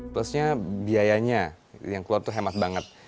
plusnya biayanya yang keluar tuh hemat banget